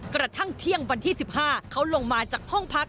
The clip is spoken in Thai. กระทั่งเที่ยงวันที่๑๕เขาลงมาจากห้องพัก